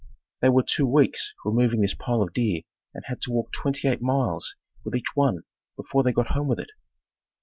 They were two weeks removing this pile of deer and had to walk twenty eight miles with each one before they got home with it.